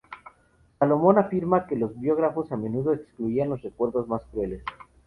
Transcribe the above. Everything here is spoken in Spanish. Solomon afirma que los biógrafos a menudo excluían los recuerdos más crueles.